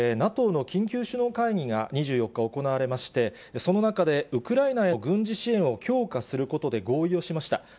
ＮＡＴＯの緊急首脳会議が２４日行われまして、その中で、ウクライナへの軍事支援を強化することで合意をしました。